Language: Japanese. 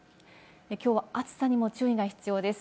きょうは暑さにも注意が必要です。